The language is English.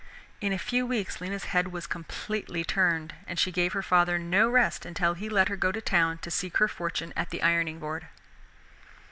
In a few weeks Lena's head was completely turned, and she gave her father no rest until he let her go to town to seek her fortune at the ironing board.